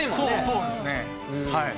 そうですねはい。